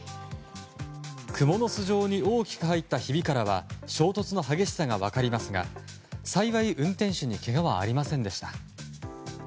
クモの巣状に大きく入ったひびからは衝突の激しさが分かりますが幸い、運転手にけがはありませんでした。